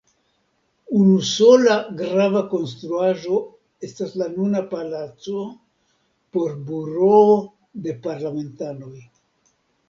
Unusola grava konstruaĵo estas la nuna palaco por buroo de parlamentanoj.